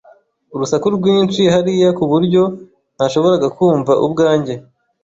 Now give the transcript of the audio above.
Urusaku rwinshi hariya ku buryo ntashoboraga kumva ubwanjye.